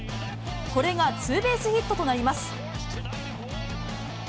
これがツーベースヒットとなります。